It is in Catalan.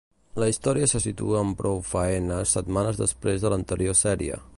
La història se situa amb prou faenes setmanes després de l'anterior sèrie.